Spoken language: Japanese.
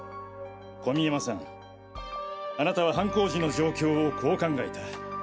込山さんあなたは犯行時の状況をこう考えた。